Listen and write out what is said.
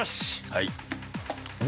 はい。